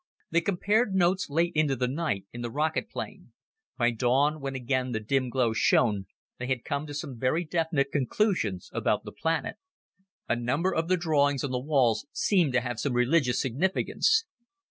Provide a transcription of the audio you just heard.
They compared notes late into the night in the rocket plane. By dawn, when again the dim glow shone, they had come to some very definite conclusions about the planet. A number of the drawings on the walls seemed to have some religious significance.